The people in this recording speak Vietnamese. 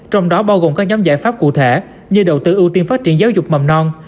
trong đó bao gồm các nhóm giải pháp cụ thể như đầu tư ưu tiên phát triển giáo dục mầm non